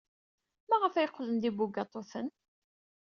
Maɣef ay qqlen d ibugaṭuten?